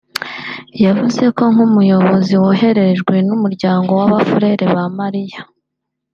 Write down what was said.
yavuze ko nk’umuyobozi woherejwe n’umuryango w’Abafurere ba Mariya (Frères Maristes)